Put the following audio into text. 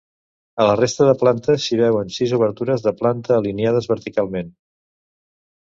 A la resta de plantes s'hi veuen sis obertures per planta alienades verticalment.